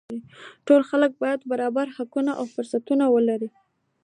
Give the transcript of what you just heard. ټول خلک باید برابر حقونه او فرصتونه ولري